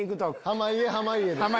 濱家濱家で。